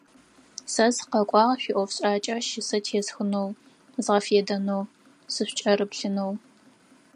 Сэ сыкъэкӏуагъ шъуиӏофшӏакӏэ щысэ тесхынэу, згъэфедэнэу, сышъукӏырыплъынэу.